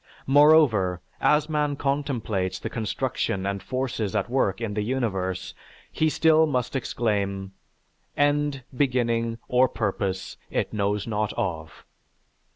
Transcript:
Moreover, as man contemplates the construction and forces at work in the universe he still must exclaim, "end, beginning, or purpose, it knows not of."